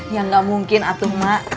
ya gak mungkin atuh mak